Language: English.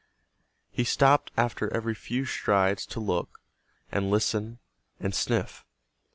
He stopped after every few strides to look, and listen and sniff.